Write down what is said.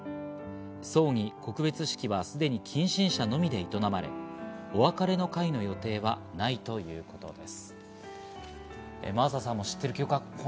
葬儀告別式はすでに近親者のみで営まれ、お別れの会の予定はないということです。